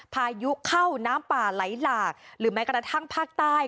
พายุเข้าน้ำป่าไหลหลากหรือแม้กระทั่งภาคใต้